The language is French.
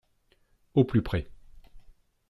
Au plus près